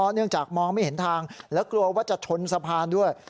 เนื่องจากมองไม่เห็นทางแล้วกลัวว่าจะชนสะพานด้วย